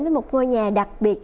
với một ngôi nhà đặc biệt